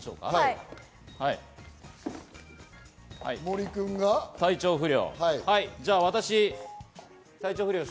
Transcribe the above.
森君が体調不良。